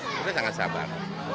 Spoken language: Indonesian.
sudah sangat sabar